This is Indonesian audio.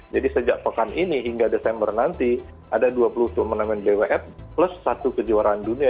jadi sejak pekan ini hingga desember nanti ada dua puluh turnamen bwf plus satu kejuaraan dunia